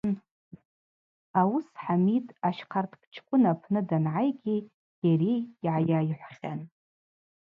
Ауыс Хӏамид Ащхъарктчкӏвын апхъа дангӏайгьи Гьари йгӏайайхӏвхьан.